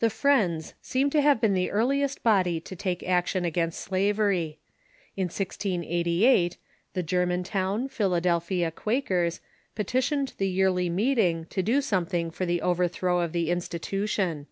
The Friends seem to have been the earliest body to take ac tion against slavery. In 1688, the Germantown (Philadelphia) Quakers petitioned the Yearly Meeting to do some Churchmen"and thing for the overthrow of the institution.